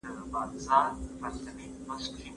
د تشخیص لپاره باید لږ تر لږه درې شدیدې پېښې وشي.